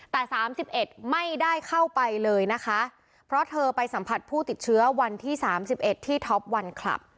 แต่สามสิบเอ็ดไม่ได้เข้าไปเลยนะคะเพราะเธอไปสัมผัสผู้ติดเชื้อวันที่สามสิบเอ็ดที่ท็อปวันคลับ